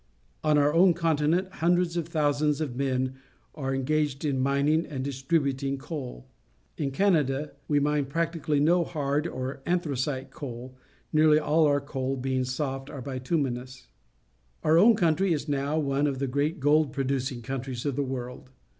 On our own conti nent hundreds of thousands of men are engaged in mining and distributing coal. In Canada we mine practically no hard or anthracite coal, nearly all our coal being soft or bituminous. Our own country is now. one of the great gold producing countries of the world.